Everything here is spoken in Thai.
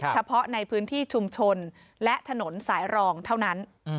เฉพาะในพื้นที่ชุมชนและถนนสายรองเท่านั้น